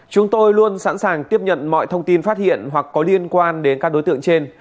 chúng tôi luôn sẵn sàng tiếp nhận mọi thông tin phát hiện hoặc có liên quan đến các đối tượng trên